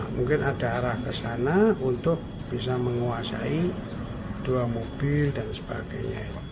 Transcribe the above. mungkin ada arah ke sana untuk bisa menguasai dua mobil dan sebagainya